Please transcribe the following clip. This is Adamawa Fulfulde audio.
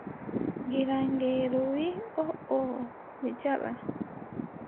Gilaŋeeru wii: ooho mi jaɓan.